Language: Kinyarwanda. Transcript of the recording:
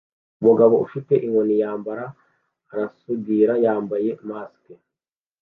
Umugabo ufite ikoti yambara arasudira yambaye mask